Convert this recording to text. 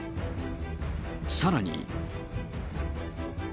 さらに。